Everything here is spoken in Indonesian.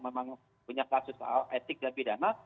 memang punya kasus etik dan pidana